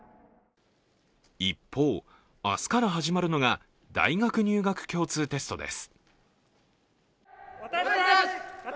一方、明日から始まるのが大学入学共通テストです。